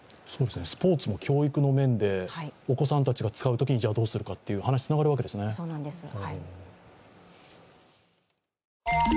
スポーツも教育の面でお子さんたちが使うときにじゃどうするかとつながるわけですね。